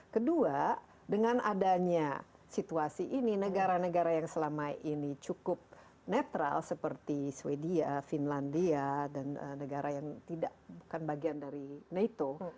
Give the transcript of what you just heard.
kedua dengan adanya situasi ini negara negara yang selama ini cukup netral seperti sweden finlandia dan negara yang bukan bagian dari nato